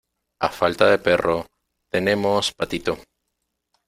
a falta de perro, tenemos patito.